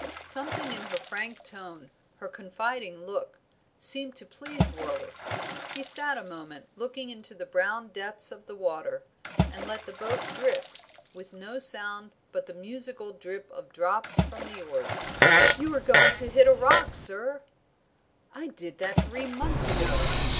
Something in her frank tone, her confiding look, seemed to please Warwick; he sat a moment looking into the brown depths of the water, and let the boat drift, with no sound but the musical drip of drops from the oars. "You are going upon a rock, sir." "I did that three months ago."